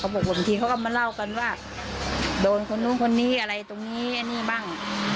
บอกว่าบางทีเขาก็มาเล่ากันว่าโดนคนนู้นคนนี้อะไรตรงนี้อันนี้บ้าง